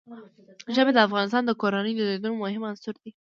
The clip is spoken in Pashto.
ژبې د افغان کورنیو د دودونو مهم عنصر دی.